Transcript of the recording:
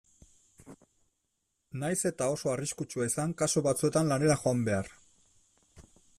Nahiz eta oso arriskutsua izan kasu batzuetan lanera joan behar.